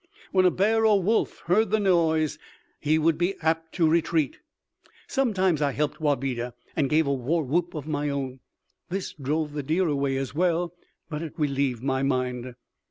When a bear or wolf heard the noise, he would be apt to retreat. Sometimes I helped Wabeda and gave a war whoop of my own. This drove the deer away as well, but it relieved my mind.